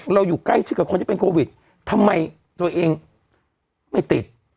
อยู่ใกล้ชิดกับคนที่เป็นโควิดทำไมตัวเองไม่ติด